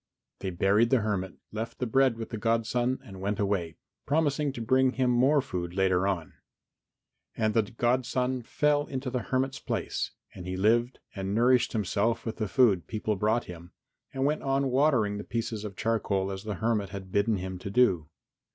They buried the hermit, left the bread with the godson and went away, promising to bring him more food later on. And the godson fell into the hermit's place and he lived and nourished himself with the food people brought him, and went on watering the pieces of charcoal as the hermit had bidden him do.